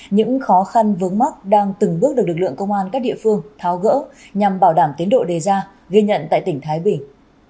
những khó khăn vướng mắt đang từng bước được lực lượng công an các địa phương tháo gỡ nhằm bảo đảm tiến độ đề ra ghi nhận tại tỉnh thái bình